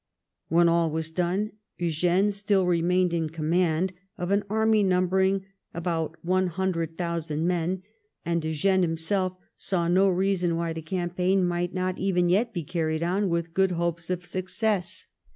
When all was done Eugene still remained in com mand of an army numbering about one hundred thou sand men, and Eugene himself saw no reason why the campaign might not even yet be carried on with good hopes of success.